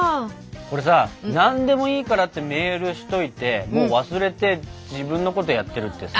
これさ「何でもいいから」ってメールしといてもう忘れて自分のことやってるってさ。